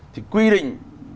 thì quy định